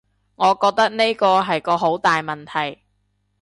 我覺得呢個係個好大問題